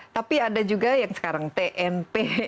tapi ada juga yang sekarang tnp